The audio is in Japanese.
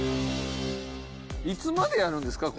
いつまでやるんですか？